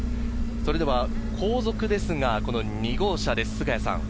それでは後続ですが、２号車です。